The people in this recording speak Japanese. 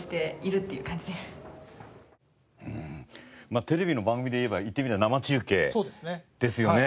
まあテレビの番組でいえば言ってみれば生中継ですよね。